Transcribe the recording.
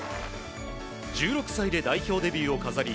１６歳で代表デビューを飾り